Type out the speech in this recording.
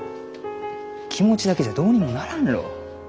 気持ちだけじゃどうにもならんろう？